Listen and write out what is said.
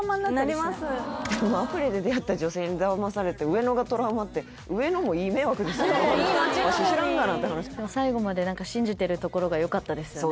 なりますでもアプリで出会った女性にだまされて上野がトラウマっていい街なのに「わし知らんがな」って話最後まで信じてるところがよかったですよね